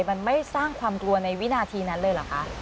มันไม่สร้างความกลัวในวินาทีนั้นเลยเหรอคะ